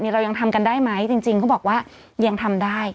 เรายังทำกันได้ไหมจริงเขาบอกว่ายังทำได้